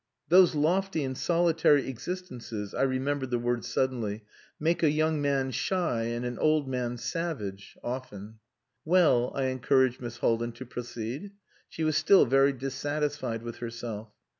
Those lofty and solitary existences (I remembered the words suddenly) make a young man shy and an old man savage often. "Well," I encouraged Miss Haldin to proceed. She was still very dissatisfied with herself.